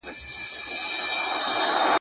د ړندو لپاره کوم روغتیایي خدمات سته؟